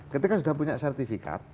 kita kan sudah punya sertifikat